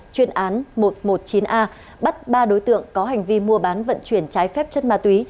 chuyên án một trăm một mươi chín a bắt ba đối tượng có hành vi mua bán vận chuyển trái phép chất ma túy